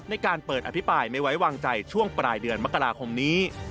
ในการเปิดอภิปรายไม่ไว้วางใจช่วงปลายเดือนมกราคมนี้